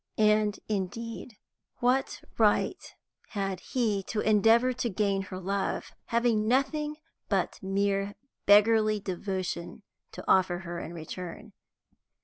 And, indeed, what right had he to endeavour to gain her love having nothing but mere beggarly devotion to offer her in return?